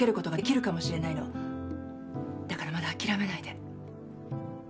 だからまだあきらめないで。